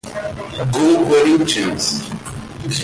Go Corinthians!!